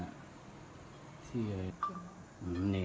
นี่ไง